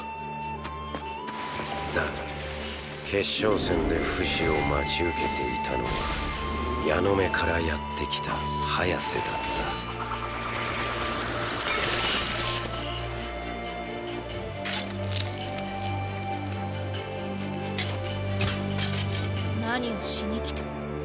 だが決勝戦でフシを待ち受けていたのはヤノメからやって来たハヤセだった何をしに来た。